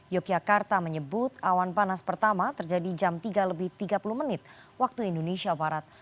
yogyakarta menyebut awan panas pertama terjadi jam tiga lebih tiga puluh menit waktu indonesia barat